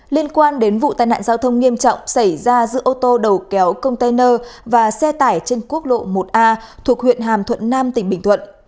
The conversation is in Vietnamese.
liên quan đến vụ tai nạn giao thông nghiêm trọng xảy ra giữa ô tô đầu kéo container và xe tải trên quốc lộ một a thuộc huyện hàm thuận nam tỉnh bình thuận